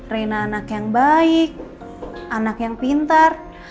rena anak yang baik anak yang pintar